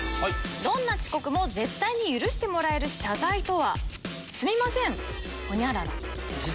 どんな遅刻も絶対に許してもらえる謝罪とは？